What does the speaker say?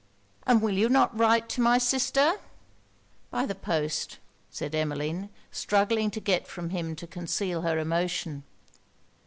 'And will you not write to my sister?' 'By the post,' said Emmeline, struggling to get from him to conceal her emotion.